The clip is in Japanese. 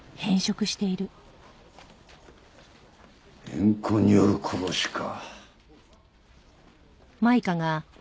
怨恨による殺しか。